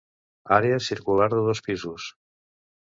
Àrea circular de dos pisos.